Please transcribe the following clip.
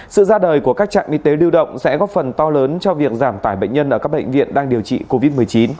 sự ra đời của các trạm y tế lưu động sẽ góp phần to lớn cho việc giảm tải bệnh nhân ở các bệnh viện đang điều trị covid một mươi chín